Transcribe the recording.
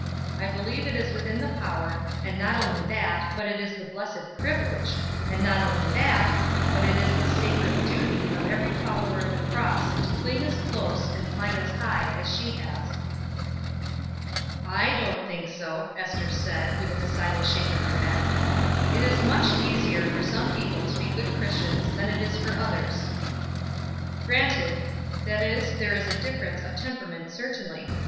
I believe it is within the power, and not only that, but it is the blessed privilege, and not only that, but it is the sacred duty of every follower of the cross to cling as close and climb as high as she has." "I don't think so," Ester said, with a decided shake of the head. "It is much easier for some people to be good Christians than it is for others." "Granted that is, there is a difference of temperament certainly.